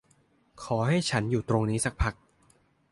ขอให้ฉันอยู่ตรงนี้สักพัก